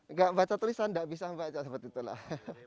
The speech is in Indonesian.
nggak baca tulisan nggak bisa baca seperti itulah